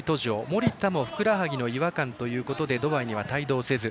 守田もふくらはぎの違和感からドバイには帯同せず。